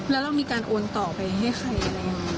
แล้วเรามีการอวนต่อไปให้ใคร